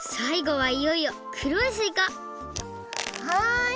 はい。